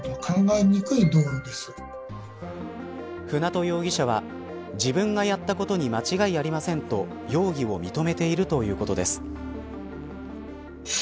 舟渡容疑者は自分がやったことに間違いありませんと容疑を認めているということです。